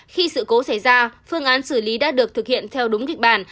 khi sự cố xảy ra phương án xử lý đã được thực hiện theo đúng kịch bản